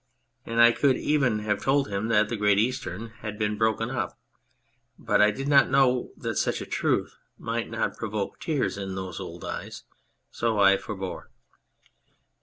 And I could even have told him that the Great Eastern had been broken up but I did not know that such a truth might not provoke tears in those old eyes, so I forbore.